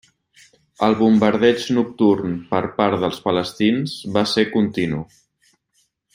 El bombardeig nocturn per part dels palestins va ser continu.